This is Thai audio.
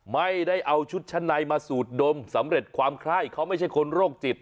ไม่ได้เอาชุดชั้นในมาสูดดมสำเร็จความไข้เขาไม่ใช่คนโรคจิต